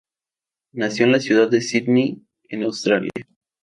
Nació en la ciudad de Sidney, en Australia.